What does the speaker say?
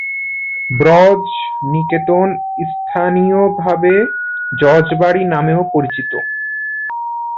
ব্রজ নিকেতন স্থানীয়ভাবে জজ বাড়ি নামেও পরিচিত।